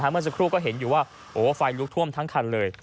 เมื่อสักครู่ก็เห็นอยู่ว่าไฟลุกท่วมทั้งคันเลย